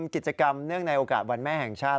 กิจกรรมเนื่องในโอกาสวันแม่แห่งชาติ